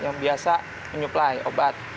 yang biasa menyuplai obat